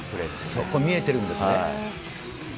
そこ見えてるんですね。